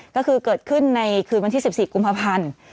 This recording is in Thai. ก็คือเกิดขึ้นในคืนวันที่๑๔กุมภาพันธ์